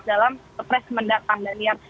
dalam tepres mendatang dan iya